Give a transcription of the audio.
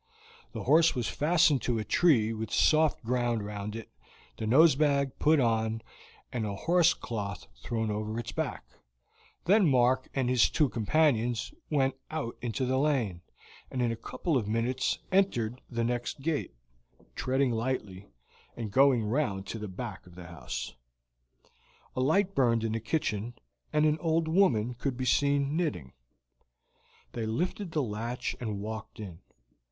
The horse was fastened to a tree with soft ground round it, the nosebag put on, and a horse cloth thrown over its back; then Mark and his two companions went out into the lane, and in a couple of minutes entered the next gate, treading lightly, and going round to the back of the house. A light burned in the kitchen, and an old woman could be seen knitting. They lifted the latch and walked in.